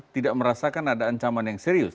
tidak merasakan ada ancaman yang serius